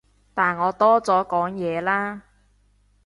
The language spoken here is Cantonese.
但我多咗講嘢啦